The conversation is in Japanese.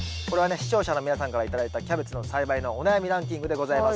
視聴者の皆さんから頂いたキャベツの栽培のお悩みランキングでございます。